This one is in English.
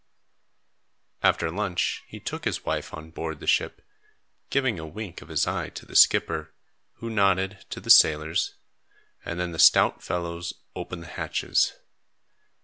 After lunch, he took his wife on board the ship, giving a wink of his eye to the skipper, who nodded to the sailors, and then the stout fellows opened the hatches.